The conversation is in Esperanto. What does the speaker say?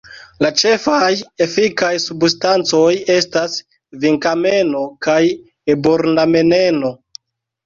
La ĉefaj efikaj substancoj estas vinkameno kaj eburnameneno.